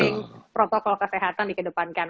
yang penting protokol kesehatan dikedepankan